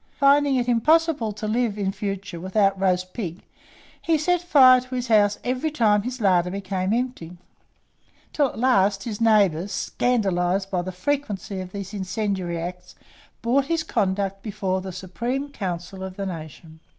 Finding it impossible to live in future without roast pig, he set fire to his house every time his larder became empty; till at last his neighbours, scandalized by the frequency of these incendiary acts, brought his conduct before the supreme council of the nation.